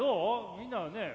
みんなね。